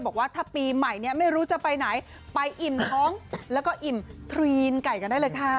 บอกว่าถ้าปีใหม่เนี่ยไม่รู้จะไปไหนไปอิ่มท้องแล้วก็อิ่มทรีนไก่กันได้เลยค่ะ